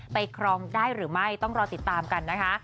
ครองได้หรือไม่ต้องรอติดตามกันนะคะ